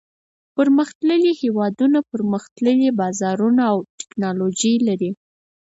پرمختللي هېوادونه پرمختللي بازارونه او تکنالوجي لري.